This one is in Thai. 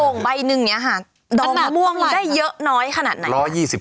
อ่องใบหนึ่งนี่ฮะดองมะม่วงได้เยอะน้อยขนาดไหนครับ